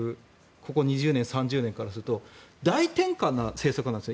ここ２０年、３０年からすると大転換な政策なんです。